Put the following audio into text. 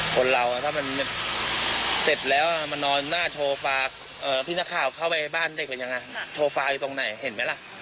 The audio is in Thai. คนเราถ้ามันเสร็จแล้วมานอนหน้าโทรฟาพี่นักข่าวเข้าไปบ้านเด็กหรือยังไงโทรฟาอยู่ตรงไหนเห็นไหมล่ะ